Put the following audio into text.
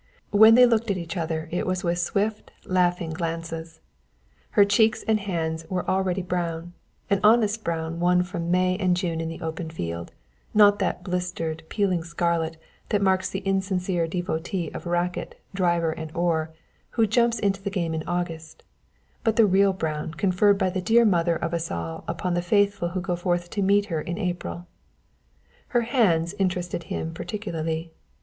When they looked at each other it was with swift laughing glances. Her cheeks and hands were already brown, an honest brown won from May and June in the open field, not that blistered, peeling scarlet that marks the insincere devotee of racket, driver and oar, who jumps into the game in August, but the real brown conferred by the dear mother of us all upon the faithful who go forth to meet her in April. Her hands interested him particularly.